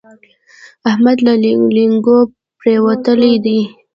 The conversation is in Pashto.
احمد له لېنګو پرېوتلی دی.